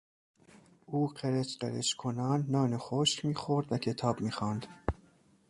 او قرچ قرچ کنان نان خشک میخورد و کتاب میخواند.